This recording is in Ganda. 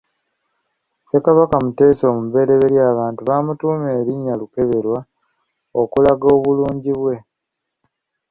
Ssekabaka Muteesa omuberyeberye abantu be bamutuuma erinnya Lukeberwa okulaga obulungi bwe.